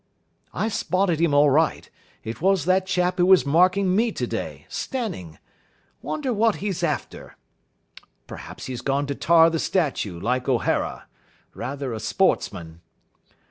"I spotted him all right. It was that chap who was marking me today, Stanning. Wonder what he's after. Perhaps he's gone to tar the statue, like O'Hara. Rather a sportsman."